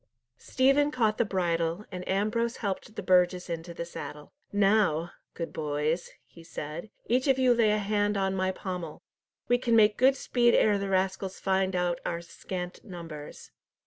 Stephen caught the bridle, and Ambrose helped the burgess into the saddle. "Now, good boys," he said, "each of you lay a hand on my pommel. We can make good speed ere the rascals find out our scant numbers."